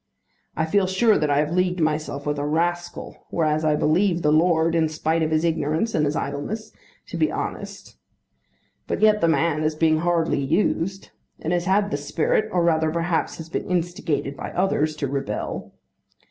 I feel sure that I have leagued myself with a rascal, whereas I believe the lord, in spite of his ignorance and his idleness, to be honest. But yet the man is being hardly used, and has had the spirit, or rather perhaps has been instigated by others, to rebel.